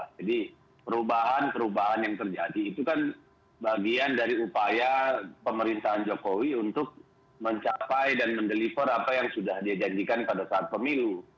jadi perubahan perubahan yang terjadi itu kan bagian dari upaya pemerintahan jokowi untuk mencapai dan mendeliver apa yang sudah diajanjikan pada saat pemilu